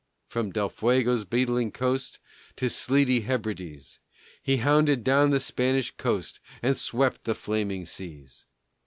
From Del Fuego's beetling coast To sleety Hebrides, He hounded down the Spanish host, And swept the flaming seas.